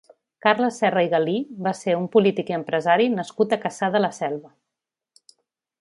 Carles Serra i Galí va ser un polític i empresari nascut a Cassà de la Selva.